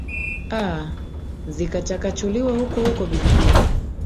a zikachakachuliwa huko huko vijijini